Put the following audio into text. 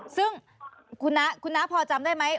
ซึ่งคุณน้าพอจำได้ไหม